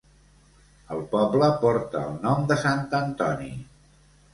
El poble porta el nom de Sant Antoni.